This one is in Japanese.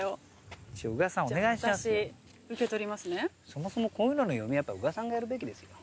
そもそもこういうのの読みは宇賀さんがやるべきですよ。